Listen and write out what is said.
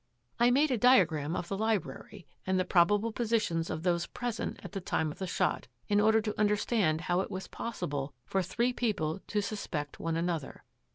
" I made a diagram of the library and the prob able positions of those present at the time of the shot, in order to understand how it was possible for three people to suspect one another.